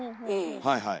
はいはい。